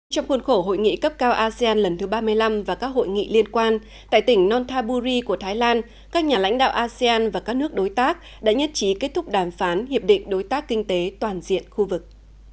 trong khuôn khổ hội nghị cấp cao asean lần thứ ba mươi năm và các hội nghị liên quan tại tỉnh nonthaburi của thái lan các nhà lãnh đạo asean và các nước đối tác đã nhất trí kết thúc đàm phán hiệp định đối tác kinh tế toàn diện khu vực